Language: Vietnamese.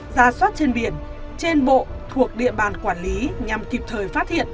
ra soát trên biển trên bộ thuộc địa bàn quản lý nhằm kịp thời phát hiện